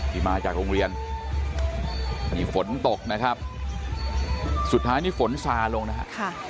ที่มาจากโรงเรียนนี่ฝนตกนะครับสุดท้ายนี่ฝนซาลงนะฮะ